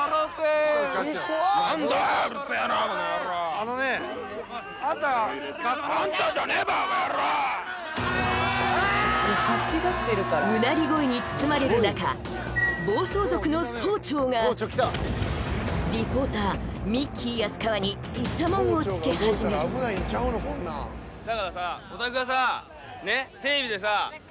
あのねあんたうなり声に包まれる中暴走族の総長がリポーターミッキー安川にいちゃもんをつけはじめる殺したってわけじゃないんだ